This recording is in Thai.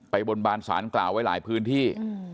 บนบานสารกล่าวไว้หลายพื้นที่